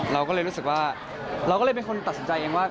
เราก็เลยรู้สึกว่าเราก็เลยเป็นคนตัดสินใจเองว่า